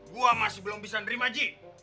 gue masih belum bisa nerima ji